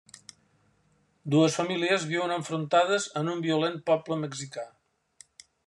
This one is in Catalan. Dues famílies viuen enfrontades en un violent poble mexicà.